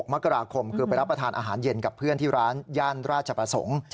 มกราคมคือไปรับประทานอาหารเย็นกับเพื่อนที่ร้านย่านราชประสงค์